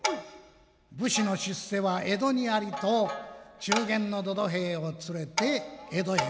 武士の出世は江戸にありと中間のどど平を連れて江戸へ向かった。